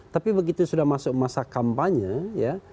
tapi begitu sudah masuk masa kampanye ya